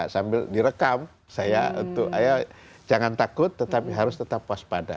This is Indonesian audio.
sambil direkam saya untuk ayo jangan takut tetapi harus tetap waspada